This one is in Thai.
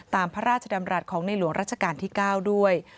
พระราชดำรัฐของในหลวงรัชกาลที่๙ด้วย